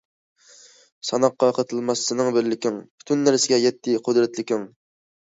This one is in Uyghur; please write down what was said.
ساناققا قېتىلماس سېنىڭ بىرلىكىڭ، پۈتۈن نەرسىگە يەتتى قۇدرەتلىكىڭ.